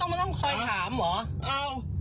ไม่ต้องคอยถามเหรอ